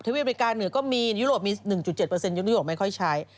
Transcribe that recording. อเมริกาเหนือก็มียุโรปมี๑๗ยุคยุโรปไม่ค่อยใช้